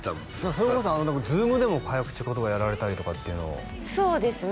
それこそＺｏｏｍでも早口言葉やられたりとかっていうのをそうですね